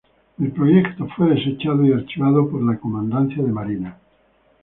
El proyecto fue desechado y archivado por la Comandancia de Marina.